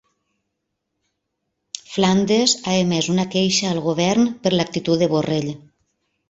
Flandes ha emès una queixa al govern per l'actitud de Borrell